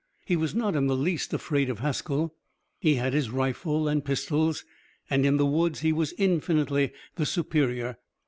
He was not in the least afraid of Haskell. He had his rifle and pistols and in the woods he was infinitely the superior.